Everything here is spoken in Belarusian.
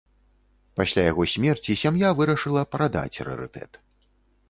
Пасля яго смерці сям'я вырашыла прадаць рарытэт.